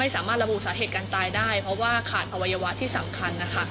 สามารถระบุสาเหตุการตายได้เพราะว่าขาดอวัยวะที่สำคัญนะคะ